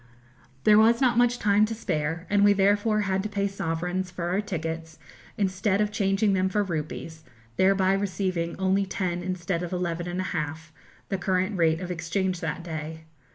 There was not much time to spare, and we therefore had to pay sovereigns for our tickets instead of changing them for rupees, thereby receiving only ten instead of eleven and a half, the current rate of exchange that day.